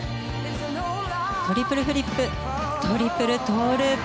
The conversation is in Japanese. トリプルフリップトリプルトウループ。